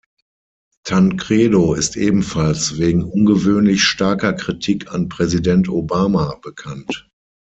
Tancredo ist ebenfalls wegen ungewöhnlich starker Kritik an Präsident Obama bekannt.